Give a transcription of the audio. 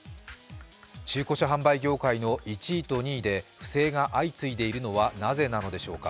中古車販売業界の１位と２位で不正が相次いでいるのはなぜなのでしょうか。